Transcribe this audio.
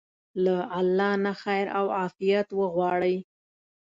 له الله نه خير او عافيت وغواړئ.